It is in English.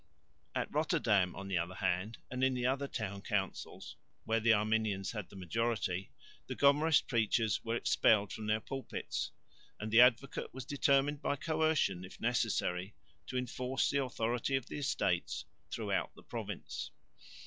At Rotterdam, on the other hand, and in the other town councils, where the Arminians had the majority, the Gomarist preachers were expelled from their pulpits; and the Advocate was determined by coercion, if necessary, to enforce the authority of the Estates throughout the province.